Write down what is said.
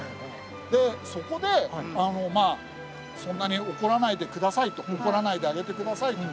でそこでまあそんなに怒らないでくださいと怒らないであげてくださいと。